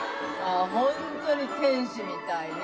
本当に天使みたいね。